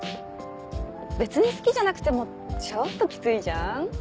別に好きじゃなくてもちょっとキツいじゃん？